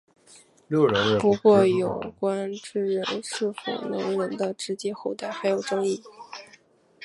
不过有关智人是否能人的直接后代还有争议。